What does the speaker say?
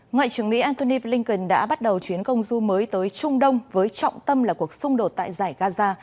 ngoại trưởng mỹ antony blinken đã bắt đầu chuyến công du mới tới trung đông với trọng tâm là cuộc xung đột tại giải gaza